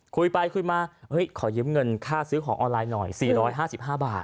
คุยไปคุยมาขอยืมเงินค่าซื้อของออนไลน์หน่อย๔๕๕บาท